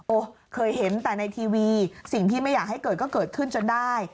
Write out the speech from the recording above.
เคยเห็นแต่ในทีวีสิ่งที่ไม่อยากให้เกิดก็เกิดขึ้นจนได้